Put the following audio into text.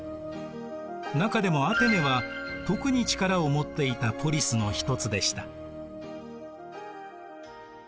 中でもアテネは特に力を持っていたポリスのひとつでした。